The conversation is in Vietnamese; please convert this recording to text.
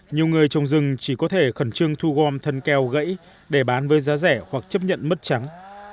nhiều người trồng rừng chỉ có thể khẩn trương thu gom thân keo gãy để bán với giá rẻ hoặc chấp nhận mất trắng